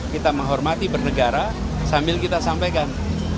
kita menghormati bernegara sambil kita sampaikan